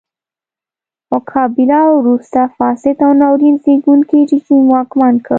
خو کابیلا وروسته فاسد او ناورین زېږوونکی رژیم واکمن کړ.